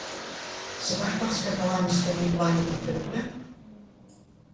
¿Serà que els catalans tenim l'ànima feble?